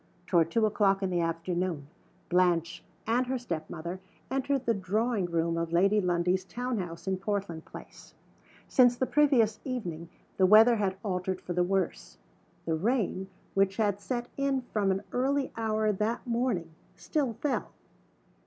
Toward two o'clock in the afternoon Blanche and her step mother entered the drawing room of Lady Lundie's town house in Portland Place. Since the previous evening the weather had altered for the worse. The rain, which had set in from an early hour that morning, still fell.